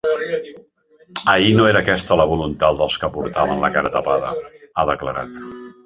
Ahir no era aquesta la voluntat dels que portaven la cara tapada, ha declarat.